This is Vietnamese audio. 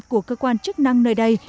của cơ quan chức năng nơi đây